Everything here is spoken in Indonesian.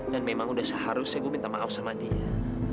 dan memang udah seharusnya gue minta maaf sama dia